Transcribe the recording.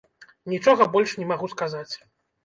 Нічога больш не магу сказаць.